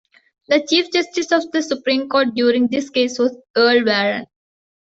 The Chief Justice of the Supreme Court during this case was Earl Warren.